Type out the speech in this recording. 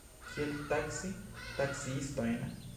Kiel taksi taksiistojn?